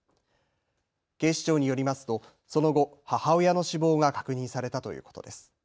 警視庁によりますとその後、母親の死亡が確認されたということです。